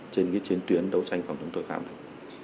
trên cái chuyến tuyến đấu tranh phòng chống tội phạm này